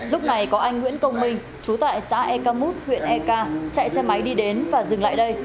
lúc này có anh nguyễn công minh chú tại xã e camut huyện eka chạy xe máy đi đến và dừng lại đây